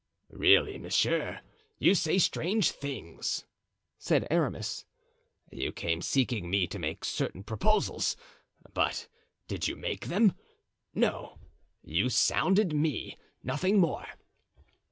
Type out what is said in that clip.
"Really, monsieur, you say strange things," said Aramis. "You came seeking me to make to me certain proposals, but did you make them? No, you sounded me, nothing more.